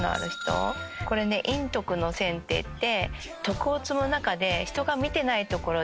これね陰徳の線っていって。